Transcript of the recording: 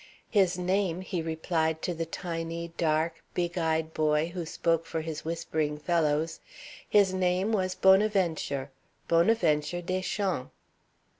"His name," he replied to the tiny, dark, big eyed boy who spoke for his whispering fellows, "his name was Bonaventure Bonaventure Deschamps."